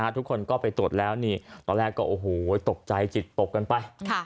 ทุกคนก็ไปตรวจแล้วนี่ตอนแรกก็โอ้โหตกใจจิตตกกันไป